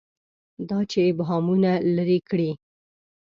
دا چې ابهامونه لري کړي.